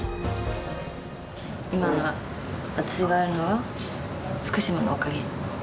今の私があるのは福島のおかげ。